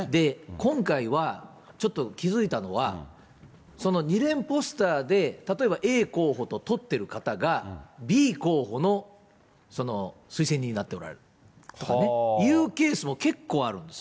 今回は、ちょっと気付いたのは、その２連ポスターで、例えばＡ候補と撮っている方が、Ｂ候補のその推薦人になっておられるとかね、いうケースも結構あるんです。